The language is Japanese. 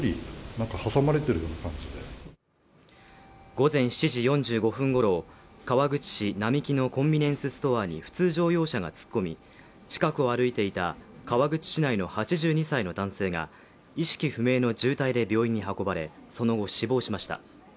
午前７時４５分ごろ、川口市並木のコンビニエンスストアに普通乗用車が突っ込み近くを歩いていた川口市内の８２歳の男性が意識不明の重体で病院に運ばれ、その後、死亡しました。